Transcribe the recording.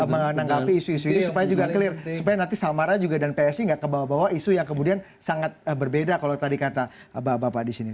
menanggapi isu isu ini supaya juga clear supaya nanti samara juga dan psi nggak kebawa bawa isu yang kemudian sangat berbeda kalau tadi kata bapak bapak di sini